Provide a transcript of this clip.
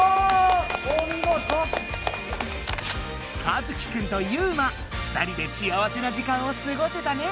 一樹くんとユウマ２人でしあわせな時間をすごせたね。